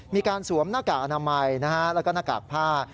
มีการสวมหน้ากากอนามัยแล้วก็หน้ากากผ้า